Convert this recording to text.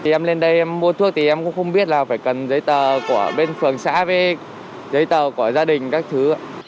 em lên đây em mua thuốc thì em cũng không biết là phải cần giấy tờ của bên phường xã với giấy tờ của gia đình các thứ